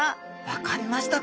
分かりました。